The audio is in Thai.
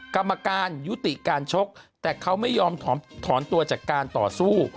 กรรมการยุติการชกแต่เขาไม่ยอมถอนตัวจากการต่อสู้